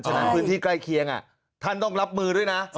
ฉะนั้นพื้นที่ใกล้เคียงท่านต้องรับมือด้วยนะ